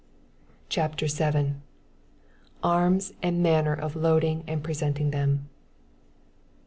CHAPTER VII. Arms, and Manner of Loading and Presenting Them.